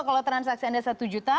kalau transaksi anda satu juta